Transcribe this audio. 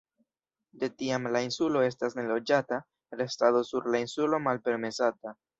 De tiam la insulo estas neloĝata, restado sur la insulo malpermesata.